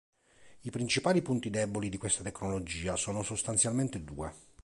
I principali punti deboli di questa tecnologia sono sostanzialmente due.